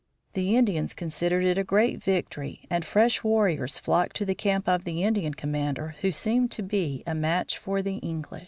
The Indians considered it a great victory and fresh warriors flocked to the camp of the Indian commander who seemed to be a match for the English.